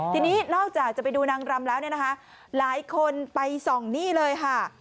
ทีนี้นอกจากจะไปดูนางรำแล้วเนี่ยนะคะหลายคนไปส่องนี่เลยค่ะ